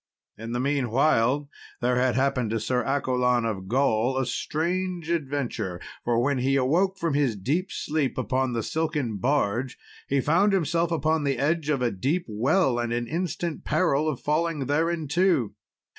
In the meanwhile there had happened to Sir Accolon of Gaul a strange adventure; for when he awoke from his deep sleep upon the silken barge, he found himself upon the edge of a deep well, and in instant peril of falling thereinto.